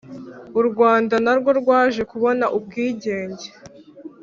U rwanda narwo rwaje kubona ubwigenge